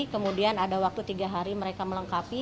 kemudian ada waktu tiga hari mereka melengkapi